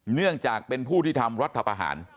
เนื่องจากเป็นผู้ที่ทำรัฐประหาร